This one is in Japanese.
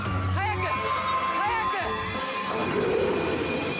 早く！早く！